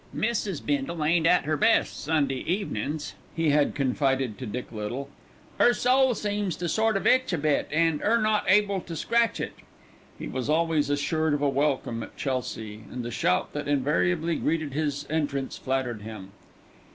"Mrs. Bindle ain't at 'er best Sunday evenin's," he had confided to Dick Little. "'Er soul seems to sort of itch a bit an' 'er not able to scratch it." He was always assured of a welcome at Chelsea, and the shout that invariably greeted his entrance flattered him.